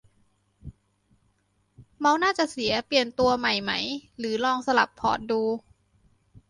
เมาส์น่าจะเสีย เปลี่ยนตัวใหม่ไหม หรือลองสลับพอร์ตดู